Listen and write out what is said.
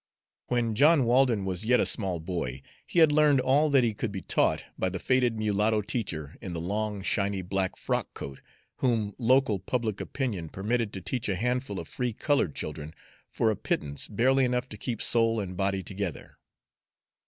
When John Walden was yet a small boy, he had learned all that could be taught by the faded mulatto teacher in the long, shiny black frock coat, whom local public opinion permitted to teach a handful of free colored children for a pittance barely enough to keep soul and body together.